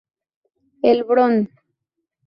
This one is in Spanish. El bron